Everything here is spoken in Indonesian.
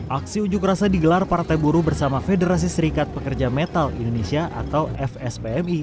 aksi unjuk rasa digelar partai buruh bersama federasi serikat pekerja metal indonesia atau fspmi